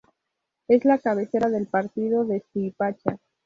Es la cabecera del partido de Suipacha.